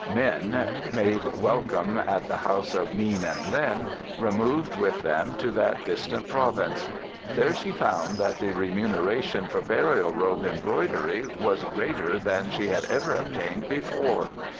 Min, made welcome at the house of Mean and Lin, removed with them to that distant province. There she found that the remuneration for burial robe embroidery was greater than she had ever obtained before.